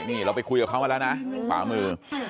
นี่เราไปคุยกับเขามาแล้วนะขวามือ